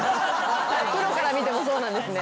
プロから見てもそうなんですね。